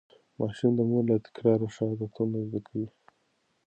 ماشوم د مور له تکرار ښه عادتونه زده کوي.